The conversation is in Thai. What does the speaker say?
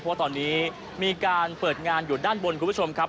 เพราะว่าตอนนี้มีการเปิดงานอยู่ด้านบนคุณผู้ชมครับ